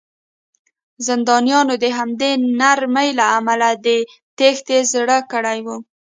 زندانیانو د همدې نرمۍ له امله د تېښتې زړه کړی و